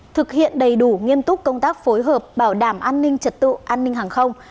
thực hiện đầy đủ nghiêm túc công tác phối hợp bảo đảm an ninh trật tự an ninh hàng không